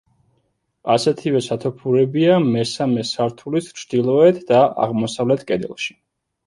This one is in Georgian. ასეთივე სათოფურებია მესამე სართულის ჩრდილოეთ და აღმოსავლეთ კედელში.